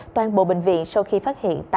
toàn bộ bệnh viện sau khi phát hiện